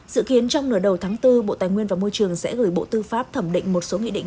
dự kiến trong nửa đầu tháng bốn bộ tài nguyên và môi trường sẽ gửi bộ tư pháp thẩm định một số nghị định